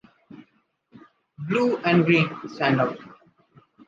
Blue and green stand out.